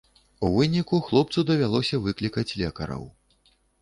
У выніку хлопцу давялося выклікаць лекараў.